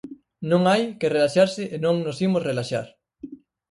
Non hai que relaxarse e non nos imos relaxar.